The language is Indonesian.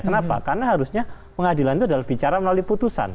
kenapa karena harusnya pengadilan itu adalah bicara melalui putusan